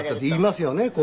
言いますよね